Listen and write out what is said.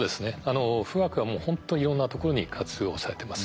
富岳はもうほんといろんなところに活用されてます。